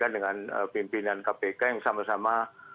dengan pimpinan kpk yang sama sama